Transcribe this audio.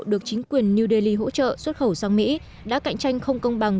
được chính quyền new delhi hỗ trợ xuất khẩu sang mỹ đã cạnh tranh không công bằng